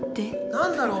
何だろう？